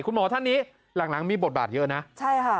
คุณหมอท่านนี้หลังมีบทบาทเยอะนะใช่ค่ะ